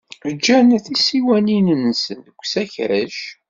Jjan tisiwanin-nsen deg usakac.